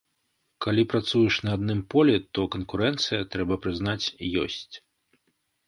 Калі працуеш на адным полі, то канкурэнцыя, трэба прызнаць, ёсць.